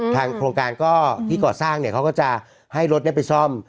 โครงการก็ที่ก่อสร้างเนี่ยเขาก็จะให้รถไปซ่อม